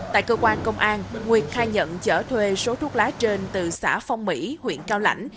tại cơ quan công an nguyệt khai nhận chở thuê số thuốc lá trên từ xã phong mỹ huyện cao lãnh